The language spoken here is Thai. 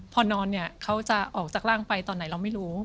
พอนอนเนี่ยเขาจะออกจากร่างไปตอนไหนเราไม่รู้